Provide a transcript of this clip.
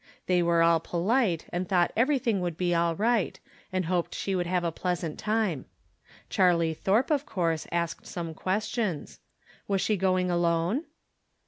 They were aU polite, and thought every thing would be aU right, and hoped she would have a pleasant time. Charlie Thorpe, of course, asked some questions. Was she going alone